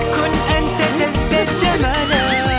kun antas antas jaman